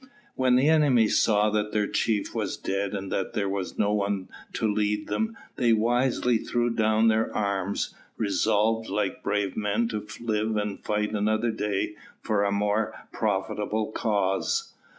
When the enemy saw that their chief was dead, and that there was no one to lead them, they wisely threw down their arms, resolved, like brave men, to live and fight another day for a more profitable cause.